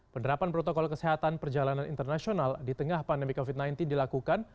penerapan protokol kesehatan perjalanan internasional di tengah pandemi covid sembilan belas dilakukan